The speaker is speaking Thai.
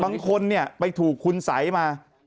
บางคนไปถูกคุณสัยมา